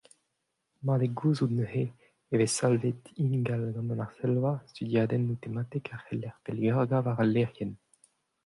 Mat eo gouzout neuze e vez savet ingal gant an Arsellva studiadennoù tematek a c’heller pellgargañ war al lec'hienn.